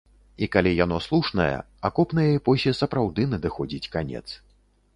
І калі яно слушнае, акопнай эпосе сапраўды надыходзіць канец.